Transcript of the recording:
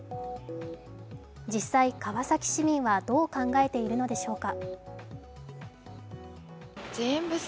実際、川崎市民はどう考えているのでしょうか。